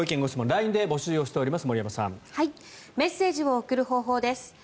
ＬＩＮＥで募集しています。